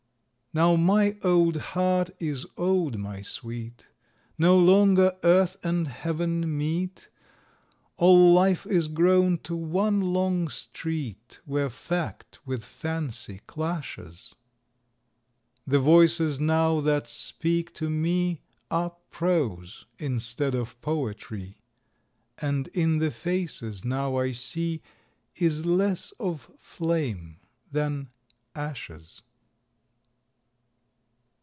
Now my old heart is old, my sweet, No longer Earth and Heaven meet; All Life is grown to one long street Where fact with fancy clashes; The voices now that speak to me Are prose instead of poetry: And in the faces now I see Is less of flame than ashes.